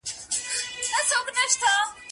د مقالي هره برخه باید په جلا ډول وڅېړل سي.